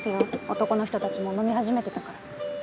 男の人たちもう飲み始めてたから。